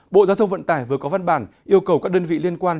bộ giao thông vận tải vừa có văn bản yêu cầu các đơn vị liên quan